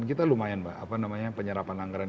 kita lumayan mbak apa namanya penyerapan anggaran